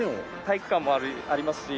体育館もありますし